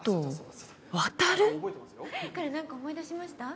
彼なんか思い出しました？